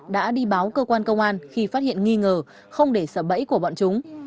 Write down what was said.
đã đi báo cơ quan công an khi phát hiện nghi ngờ không để sợ bẫy của bọn chúng